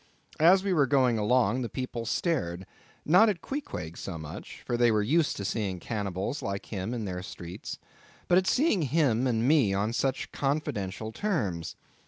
As we were going along the people stared; not at Queequeg so much—for they were used to seeing cannibals like him in their streets,—but at seeing him and me upon such confidential terms.